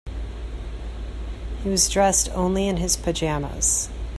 He was dressed only in his pajamas.